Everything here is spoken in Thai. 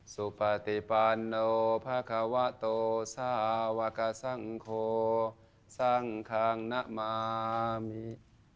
สุพติปันโนพะควะโตสาวะกสังโฆสังคังนามามี